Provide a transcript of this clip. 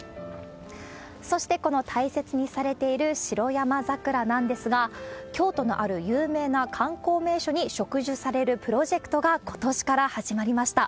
そして、この大切にされている白山桜なんですが、京都のある有名な観光名所に植樹されるプロジェクトが、ことしが始まりました。